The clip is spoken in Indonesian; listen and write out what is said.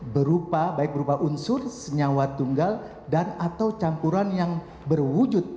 berupa baik berupa unsur senyawa tunggal dan atau campuran yang berwujud